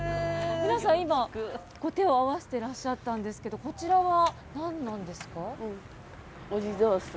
皆さん今手を合わせてらっしゃったんですけどこちらは何なんですか？